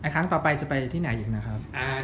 ครั้งต่อไปจะไปที่ไหนอีกนะครับ